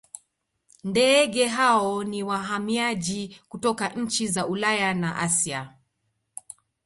ndeege hao ni wahamiaji kutoka nchi za ulaya na asia